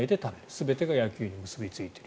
全てが野球に結びついている。